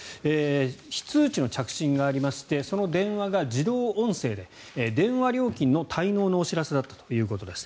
非通知の着信がありましてその電話が自動音声で電話料金の滞納のお知らせだったということです。